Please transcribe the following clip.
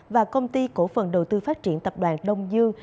và công ty cổ phần đầu tư phát triển tập đoàn đông dương